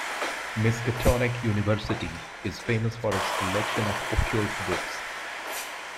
Miskatonic University is famous for its collection of occult books.